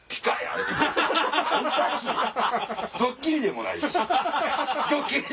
ドッキリでもないし。